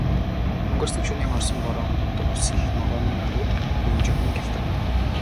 Өнгөрсөн шөнийн орсон борооны дусал ногооны оройд бөнжгөнөн гялтганана.